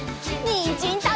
にんじんたべるよ！